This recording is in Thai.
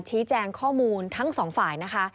ชี้แจงข้อมูลทั้งสองฝ่ายนะคะ